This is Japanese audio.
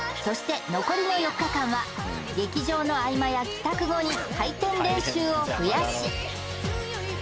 そして残りの４日間は劇場の合間や帰宅後に回転練習を増やし